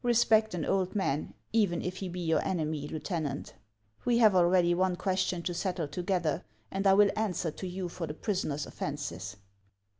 " Respect an old man, even if he be your enemy, Lieu tenant; we have already one question to settle together, and I will answer to you for the prisoner's offences."